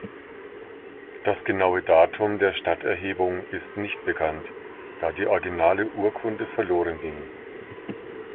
Das genaue Datum der Stadterhebung ist nicht bekannt, da die originale Urkunde verloren ging.